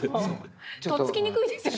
とっつきにくいですよね。